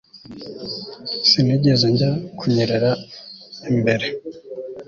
Sinigeze njya kunyerera mbere